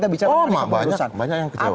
oh emang banyak yang kecewa